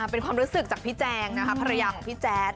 เป็นความรู้สึกจากพี่แจงนะคะภรรยาของพี่แจ๊ด